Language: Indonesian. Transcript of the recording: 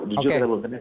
jujur kita belum kenal